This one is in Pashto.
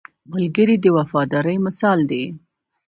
ملګری د وفادارۍ مثال دی